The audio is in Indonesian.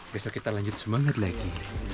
besok kita lanjut semangat lagi